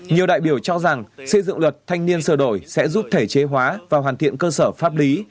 nhiều đại biểu cho rằng xây dựng luật thanh niên sửa đổi sẽ giúp thể chế hóa và hoàn thiện cơ sở pháp lý